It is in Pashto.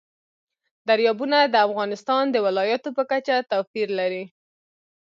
دریابونه د افغانستان د ولایاتو په کچه توپیر لري.